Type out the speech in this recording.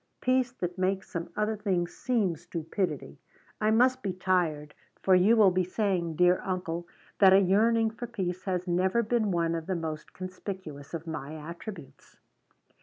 Peace that makes some other things seem stupidity. I must be tired, for you will be saying, dear uncle, that a yearning for peace has never been one of the most conspicuous of my attributes."